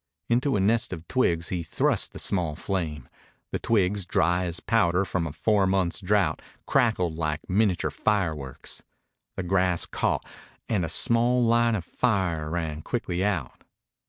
Into a nest of twigs he thrust the small flame. The twigs, dry as powder from a four months' drought, crackled like miniature fireworks. The grass caught, and a small line of fire ran quickly out.